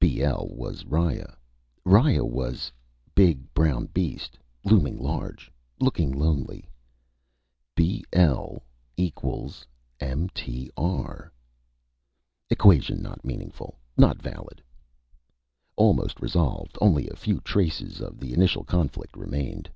"_ BL was Riya. Riya was: Big brown beast, looming large, looking lonely. BL=MTR Equation not meaningful, not valid. Almost resolved, only a few traces of the initial conflict remained.